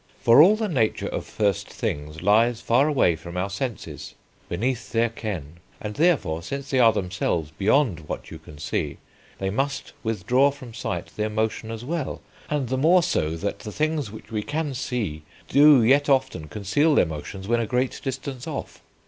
For all the nature of first things lies far away from our senses, beneath their ken; and, therefore, since they are themselves beyond what you can see, they must withdraw from sight their motion as well; and the more so, that the things which we can see do yet often conceal their motions when a great distance off.